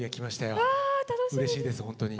うれしいです本当に。